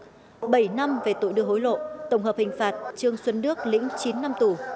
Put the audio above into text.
bị cáo đỗ hữu ca bị tuyên bảy năm về tội đưa hối lộ tổng hợp hình phạt trương xuân đức lĩnh chín năm tù